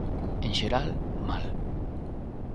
En xeral, mal.